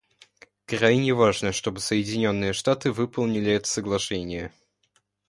Крайне важно, чтобы Соединенные Штаты выполнили это соглашение.